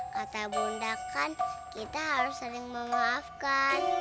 kata bunda kan kita harus saling memaafkan